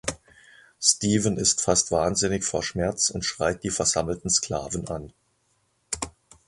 Stephen ist fast wahnsinnig vor Schmerz und schreit die versammelten Sklaven an.